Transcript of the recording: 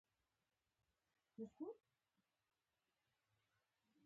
زه د تلویزیون د خبرونو تازه برخه خوښوم.